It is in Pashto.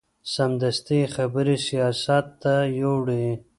سمدستي یې خبرې سیاست ته یوړې.